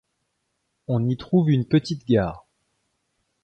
On y trouve une petite gare.